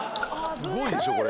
すごいでしょこれ。